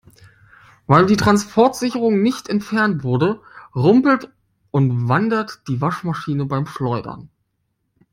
Weil die Transportsicherung nicht entfernt wurde, rumpelt und wandert die Waschmaschine beim Schleudern.